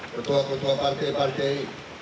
ketua ketua partai partai